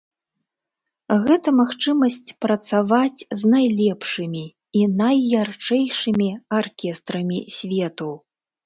Гэта магчымасць працаваць з найлепшымі і найярчэйшымі аркестрамі свету.